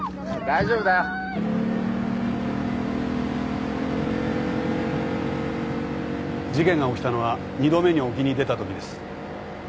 大丈夫だよ事件が起きたのは２度目に沖に出たときです。